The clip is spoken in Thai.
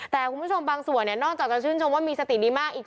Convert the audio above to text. แต่คุณผู้ชมบางส่วนเนี่ยนอกจากจะชื่นชมว่ามีสติดีมากอีก